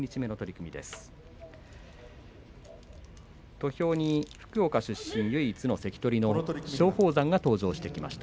土俵に福岡出身、唯一の関取の松鳳山が登場しました。